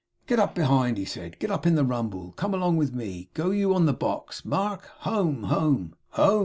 'Get up, behind!' he said. 'Get up in the rumble. Come along with me! Go you on the box, Mark. Home! Home!